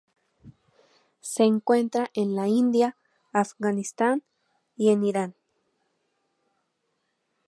Se encuentra en la India, Afganistán y en Irán.